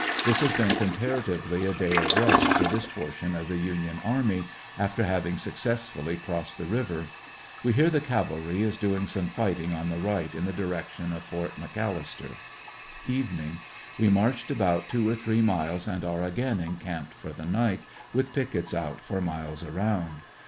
This has been comparatively a day of rest for this portion of the LTnion army, after having successfully crossed the river. We hear the cavalry is doing some fighting on the right, in the direction of Fort McAllister. Evening. — AVe marched about two or three miles and are again encamped for the night, with pickets out for miles around.